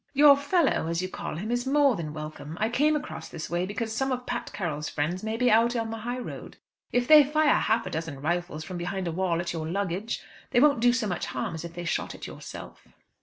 "'Your fellow,' as you call him, is more than welcome. I came across this way because some of Pat Carroll's friends may be out on the high road. If they fire half a dozen rifles from behind a wall at your luggage, they won't do so much harm as if they shot at yourself."